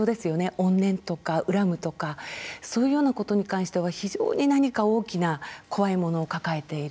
怨念とか恨むとかそういうようなことに関しては非常に何か大きな怖いものを抱えている。